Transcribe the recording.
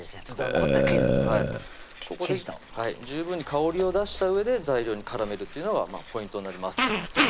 ここだけきっちりと十分に香りを出したうえで材料に絡めるっていうのがポイントになります